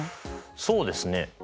そうですね。